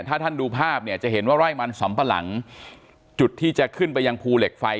ถ้าท่านดูภาพเนี่ยจะเห็นว่าไร่มันสำปะหลังจุดที่จะขึ้นไปยังภูเหล็กไฟ